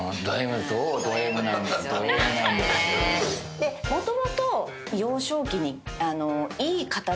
でもともと。